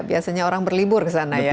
biasanya orang berlibur ke sana ya